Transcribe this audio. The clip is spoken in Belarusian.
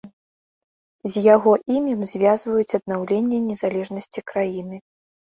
З яго імем звязваюць аднаўленне незалежнасці краіны.